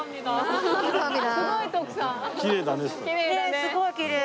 すごいきれい。